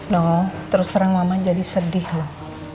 no terus terang mama jadi sedih loh